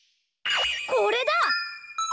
これだ！